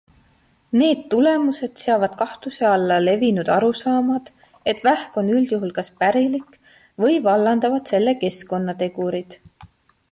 Need tulemused seavad kahtluse alla levinud arusaamad, et vähk on üldjuhul kas pärilik või vallandavad selle keskkonnategurid.